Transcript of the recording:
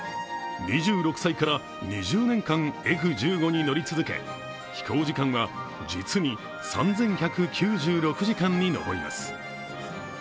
２６歳から２０年間、Ｆ１５に乗り続け飛行時間は実に３１９６時間に上ります。